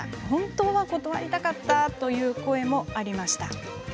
本当は断りたかったという声もありました。